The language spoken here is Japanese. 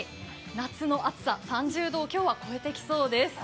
夏の暑さ、３０度を今日は超えてきそうです。